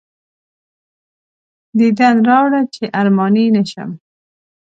دیدن راوړه چې ارماني نه شم.